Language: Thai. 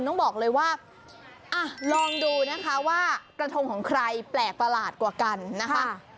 ต้องบอกเลยว่าลองดูนะคะว่ากระทงของใครแปลกประหลาดกว่ากันนะคะ